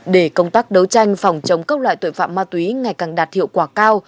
để công tác đấu tranh phòng chống các loại tội phạm ma túy ngày càng đạt hiệu quả cao